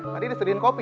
nanti disediain kopi